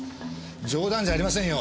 冗談じゃありませんよ。